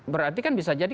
berarti kan bisa jadi